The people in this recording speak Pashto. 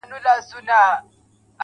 اوس بيا د ښار په ماځيگر كي جادو.